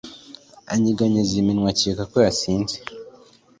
anyeganyeza iminwa akeka ko yasinze